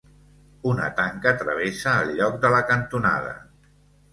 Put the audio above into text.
Una tanca travessa el lloc de la cantonada.